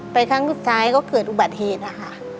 ครั้งสุดท้ายก็เกิดอุบัติเหตุนะคะ